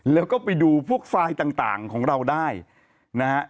แล้วก็ไปดูพวกไฟล์ต่างของเราได้นะฮะ